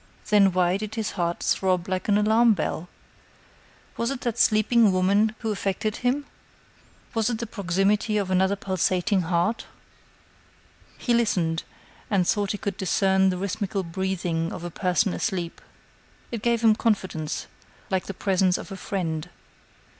Then why did his heart throb like an alarm bell? Was it that sleeping woman who affected him? Was it the proximity of another pulsating heart? He listened, and thought he could discern the rhythmical breathing of a person asleep. It gave him confidence, like the presence of a friend.